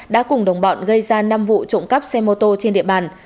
đã cùng đồng bọn gây ra năm vụ trộm cắp xe mô tô trên địa bàn